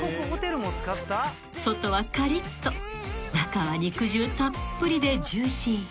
［外はかりっと中は肉汁たっぷりでジューシー］